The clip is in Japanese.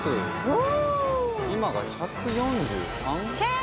今が１４３ヘイ！